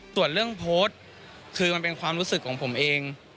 ส่วนเรื่องโพสต์คือมันเป็นความรู้สึกของผมเอง